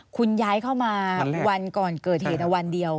คุณย้ายเข้ามาวันก่อนเกิดเหตุวันเดียว